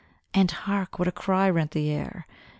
And hark! what a cry rent the air!